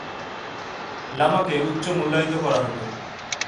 লামাকে উচ্চ মূল্যায়িত করা হতো।